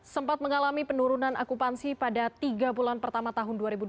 sempat mengalami penurunan akupansi pada tiga bulan pertama tahun dua ribu dua puluh